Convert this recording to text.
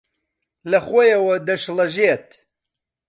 لەخۆیەوە دەشڵەژێت